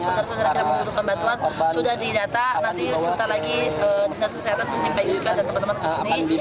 saudara saudara kita yang membutuhkan bantuan sudah didata nanti sebentar lagi dinas kesehatan ke sini pyusk dan teman teman ke sini